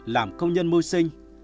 làm công nhân mưu sinh